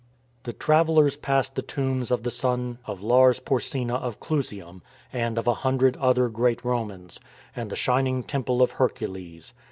The travellers passed the tombs of the son of Lars Porsena of Clusium, and of a hundred Other great iRomans; and the shining Temple of Hercules.